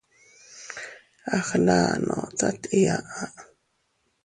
A gndano tat iyaʼa.